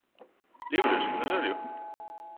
Libres, en serio?